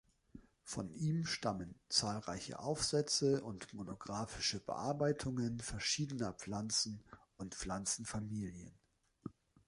Von ihm stammen zahlreiche Aufsätze und monographische Bearbeitungen verschiedener Pflanzen und Pflanzenfamilien.